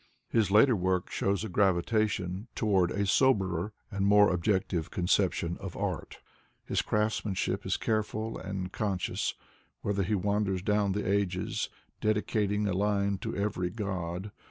His later work dhows a gravitation to ward a soberer and more objective conception of art. Hii craftsmanship 19 careful and conscious, whether he wander* down the ages, dedicating a line to every god.